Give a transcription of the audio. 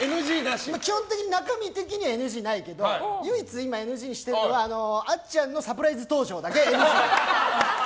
基本的に中身的にはＮＧないけど唯一、今、ＮＧにしてるのはあっちゃんのサプライズ登場だけＮＧで。